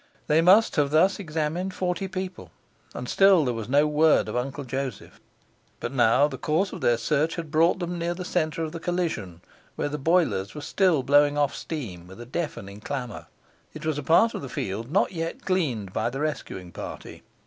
They must have thus examined forty people, and still there was no word of Uncle Joseph. But now the course of their search brought them near the centre of the collision, where the boilers were still blowing off steam with a deafening clamour. It was a part of the field not yet gleaned by the rescuing party.